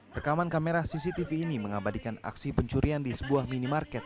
rekaman kamera cctv ini mengabadikan aksi pencurian di sebuah minimarket